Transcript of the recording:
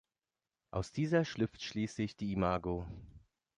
Aus dieser schlüpft schließlich die Imago.